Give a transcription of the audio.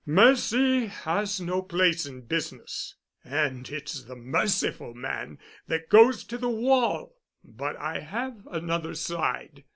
Mercy has no place in business, and it's the merciful man that goes to the wall. But I have another side.